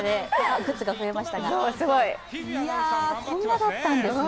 こんなだったんですね。